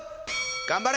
・頑張れ！